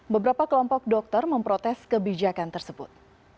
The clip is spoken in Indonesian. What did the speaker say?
beberapa kelompok dokter memprotes kebijakan tersebut